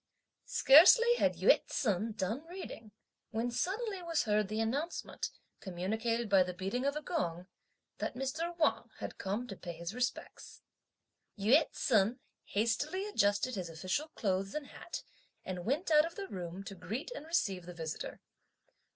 Scarcely had Yü ts'un done reading, when suddenly was heard the announcement, communicated by the beating of a gong, that Mr. Wang had come to pay his respects. Yü ts'un hastily adjusted his official clothes and hat, and went out of the room to greet and receive the visitor.